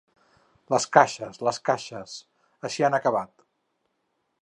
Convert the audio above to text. Les caixes, les caixes… així han acabat.